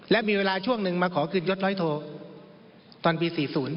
และมีเวลาช่วงหนึ่งมาขอคืนยดร้อยโทตอนปี๔๐